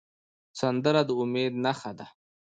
سندره د امید نښه ده